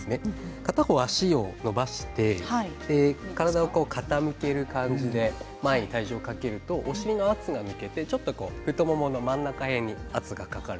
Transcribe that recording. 片方の足を伸ばして体を傾ける感じで前に体重をかけるとお尻の圧が抜けて太ももの真ん中辺りに圧がかかる